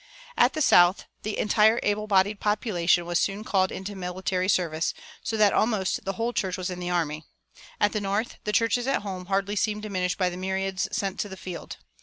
[348:1] At the South the entire able bodied population was soon called into military service, so that almost the whole church was in the army. At the North the churches at home hardly seemed diminished by the myriads sent to the field.